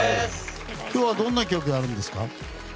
今日はどんな曲やるんですか？